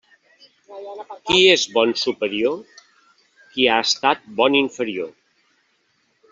Qui és bon superior? Qui ha estat bon inferior.